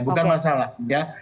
bukan masalah ya